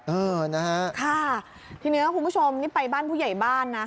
เออนะฮะค่ะทีนี้คุณผู้ชมนี่ไปบ้านผู้ใหญ่บ้านนะ